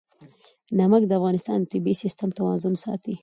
نمک د افغانستان د طبعي سیسټم توازن ساتي.